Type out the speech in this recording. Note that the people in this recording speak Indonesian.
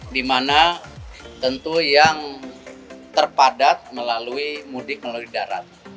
di mana tentu yang terpadat melalui mudik melalui darat